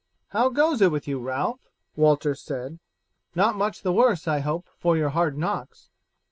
"How goes it with you, Ralph?" Walter said. "Not much the worse, I hope, for your hard knocks?"